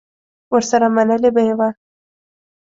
ورسره منلې به یې وه.